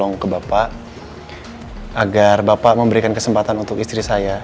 harus di abyuh